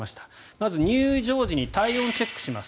まず入場時に体温チェックします。